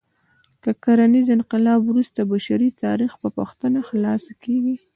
له کرنیز انقلاب وروسته بشري تاریخ په پوښتنه خلاصه کېږي.